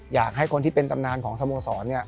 อยากให้คนที่เป็นตำนานของสโมสร